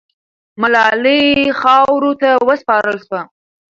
ملالۍ خاورو ته وسپارل سوه.